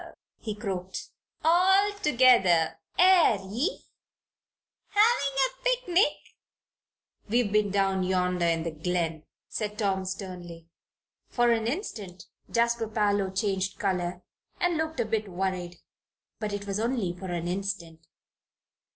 he croaked. "All together, air ye? Havin' a picnic?" "We've been down yonder in the glen," said Tom, sternly. For an instant Jasper Parloe changed color and looked a bit worried. But it was only for an instant.